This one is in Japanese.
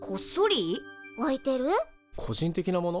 個人的なもの？